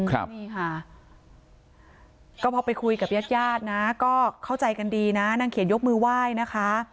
ครับนี่ค่ะก็พอไปคุยกับญาติญาตินะก็เข้าใจกันดีนะนางเขียนยกมือไหว้นะคะ